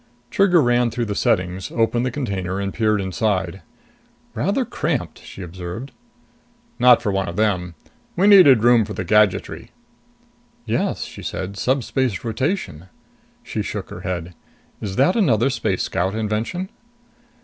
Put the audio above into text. Trigger ran through the settings, opened the container and peered inside. "Rather cramped," she observed. "Not for one of them. We needed room for the gadgetry." "Yes," she said. "Subspace rotation." She shook her head. "Is that another Space Scout invention?"